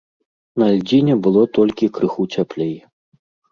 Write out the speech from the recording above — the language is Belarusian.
На льдзіне было толькі крыху цяплей.